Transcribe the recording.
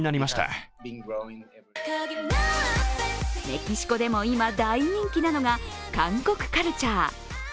メキシコでも今、大人気なのが韓国カルチャー。